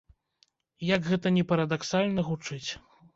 Як гэта ні парадаксальна гучыць.